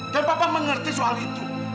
dan papa mengerti soal itu